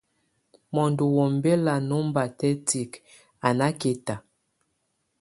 Mondo wombɛla nómbatɛ́ tiek, a nákɛta.